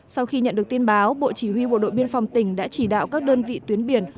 sau khi nhận được tin báo bộ chỉ huy bộ đội biên phòng tỉnh đã chỉ đạo các đơn vị tuyến biển